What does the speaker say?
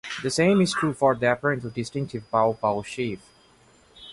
The same is true for the apparently distinctive bow bow sheave.